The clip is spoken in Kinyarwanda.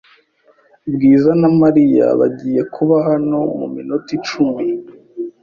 Bwiza na Mariya bagiye kuba hano muminota icumi